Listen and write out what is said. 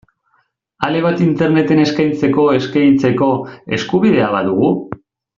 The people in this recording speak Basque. Ale bat Interneten eskaintzeko, eskegitzeko, eskubidea badugu?